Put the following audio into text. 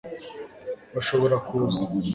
bashobora kuza